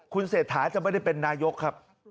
คุณเศรษฐาจะไม่ได้เป็นนายกครับ